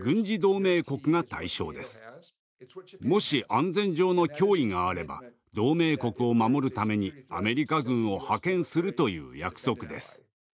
もし安全上の脅威があれば同盟国を守るためにアメリカ軍を派遣するという約束です。